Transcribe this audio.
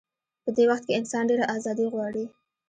په دې وخت کې انسان ډېره ازادي غواړي.